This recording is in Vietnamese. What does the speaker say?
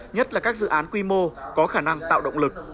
nhất là các dự án quy mô có khả năng tạo động lực